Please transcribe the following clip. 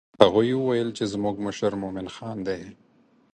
هغوی وویل چې زموږ مشر مومن خان دی.